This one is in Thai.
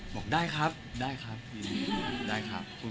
บอกได้ครับได้ครับ